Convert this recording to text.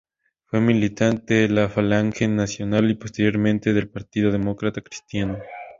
Fue militante de la Falange Nacional y posteriormente del Partido Demócrata Cristiano.